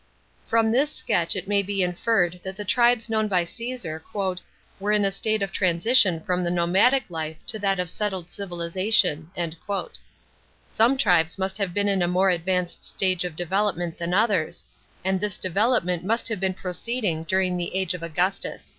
From this sketch it may be inferred that the tribes known by Caesar " were in a state of transition from the nomadic life to that of settled cultivation." Some tribes must have been in a more advanced stage of development than others; and this development must have been proceeding during the age of Augustus.